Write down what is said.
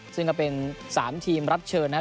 ซึ่งก็เป็น๓ทีมรับเชิญนะครับ